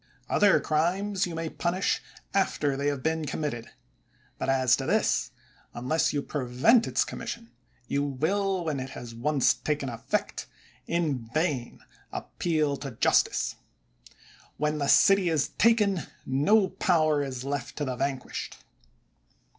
Other crimes you may punish after they have been committed; but as to this, unless you prevent its commission, you udll, when it has once taken effect, in vain appeal to justice. When the city is taken, no power is left to the vanquished.